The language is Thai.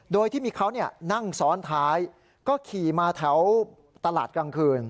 โดยที่มีเขานั่งซ้อนท้ายก็ขี่มาแถวตลาดกลางคืน